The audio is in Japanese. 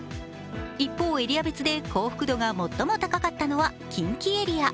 一方、エリア別で幸福度が最も高かったのは近畿エリア。